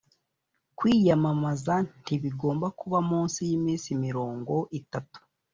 kwiyamamaza ntibigomba kuba munsi y iminsi mirongo itatu